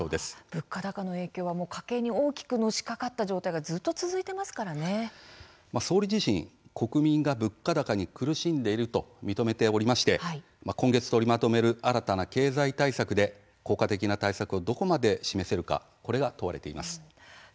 物価高の影響は家計に大きくのしかかった状況が総理自身、国民が物価高に苦しんでいると認めており、今月取りまとめる新たな経済対策で効果的な対策をどこまで示せるか問われていると思います。